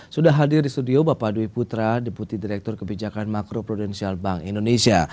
sudah hadir di studio bapak dwi putra deputi direktur kebijakan makro prudensial bank indonesia